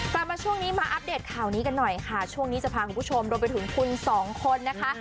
กลับมาช่วงนี้มาอัปเดตข่าวนี้กันหน่อยค่ะช่วงนี้จะพาคุณผู้ชมรวมไปถึงคุณสองคนนะคะ